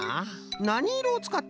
なにいろをつかったんじゃ？